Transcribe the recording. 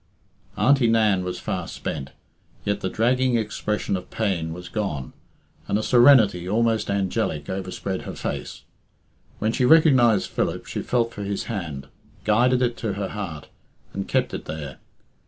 Auntie Nan was far spent, yet the dragging expression of pain was gone, and a serenity almost angelic overspread her face. When she recognised Philip she felt for his hand, guided it to her heart, and kept it there.